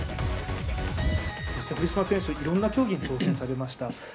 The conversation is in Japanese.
そして堀島選手、いろんな競技に挑戦されました。